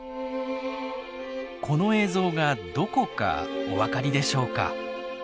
この映像がどこかお分かりでしょうか？